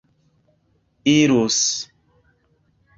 irus